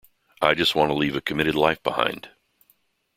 I just want to leave a committed life behind.